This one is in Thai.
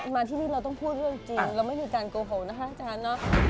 มาที่นี่เราต้องพูดเรื่องจริงเราไม่มีการโกหกนะคะอาจารย์เนอะ